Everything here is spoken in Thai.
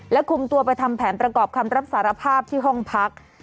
คุมตัวไปทำแผนประกอบคำรับสารภาพที่ห้องพัก